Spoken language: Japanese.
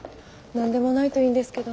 何でもないといいんですけど。